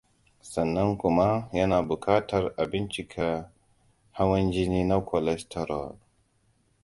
sannan kuma yana bukatar a binciki hawan jini na cholesterol